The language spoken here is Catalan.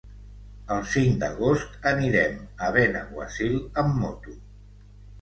El cinc d'agost anirem a Benaguasil amb moto.